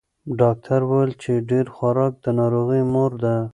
ډاکتر ویل چې ډېر خوراک د ناروغیو مور ده.